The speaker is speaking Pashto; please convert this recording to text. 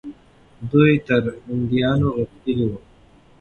دوی تر هندیانو غښتلي وو.